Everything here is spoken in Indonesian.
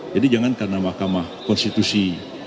jadi jangan karena makamah konstitusi